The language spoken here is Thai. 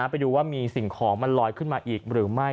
ไปดูว่ามีสิ่งของมันลอยขึ้นมาอีกหรือไม่